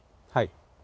はい。